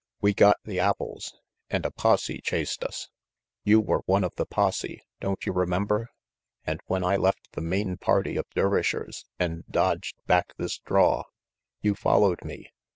"We got the apples, and a posse chased us. You were one of the posse, don't you remember? And when I left the main party of Dervishers and dodged back this draw, you followed me.